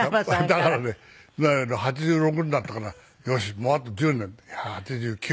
だからね８６になったからよしもうあと１０年で８９。